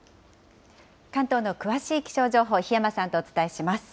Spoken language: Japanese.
関東の詳しい気象情報、檜山さんとお伝えします。